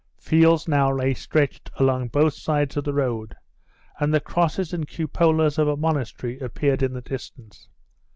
Fields now lay stretched along both sides of the road, and the crosses and cupolas of a monastery appeared in the distance.